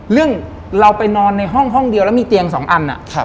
เรื่องเราไปนอนในห้องเดียวแล้วมีเตียง๒อัน